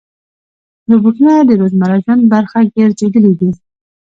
روبوټونه د روزمره ژوند برخه ګرځېدلي دي.